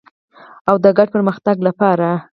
او د ګډ پرمختګ لپاره.